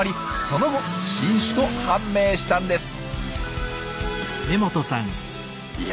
その後新種と判明したんです。